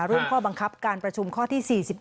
ร่วมข้อบังคับการประชุมข้อที่๔๑